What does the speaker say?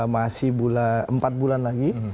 masih empat bulan lagi